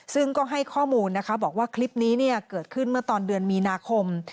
ซึ่งก็ให้ข้อมูลนะคะบอกว่าคลิปนี้เกิดขึ้นเมื่อตอนเดือนมีนาคม